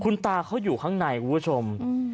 คุณตาเขาอยู่ข้างในคุณผู้ชม